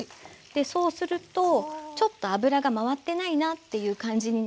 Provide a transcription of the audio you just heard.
そうするとちょっと油が回ってないなっていう感じになりますので。